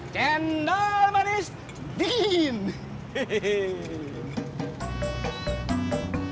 cendol manis dingin